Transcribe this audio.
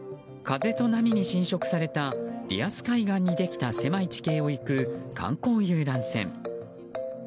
風と波に浸食されたリアス海岸にできた狭い地形を行く観光遊覧船。